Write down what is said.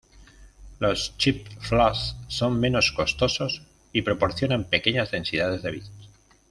Los chips flash son menos costosos y proporcionan pequeñas densidades de bits.